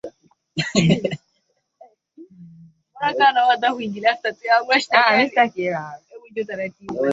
gavana ni mtendaji mkuu wa benki kuu ya tanzania